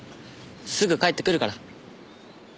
すぐ帰ってくるから。